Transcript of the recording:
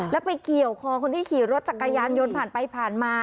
แล้วไปเกี่ยวคอคนที่ขี่รถจักรยานยนต์ผ่านไปผ่านมา